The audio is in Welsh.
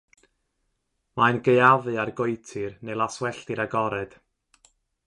Mae'n gaeafu ar goetir neu laswelltir agored.